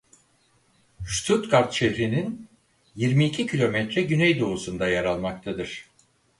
Stuttgart şehrinin yirmi iki kilometre güneydoğusunda yer almaktadır.